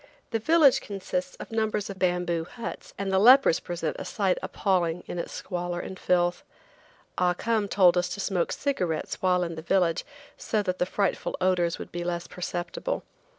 The village consists of numbers of bamboo huts, and the lepers present a sight appalling in its squalor and filth. Ah Cum told us to smoke cigarettes while in the village so that the frightful odors would be less perceptible.